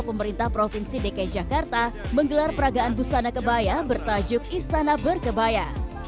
pemerintah provinsi dki jakarta menggelar peragaan busana kebaya bertajuk istana berkebaya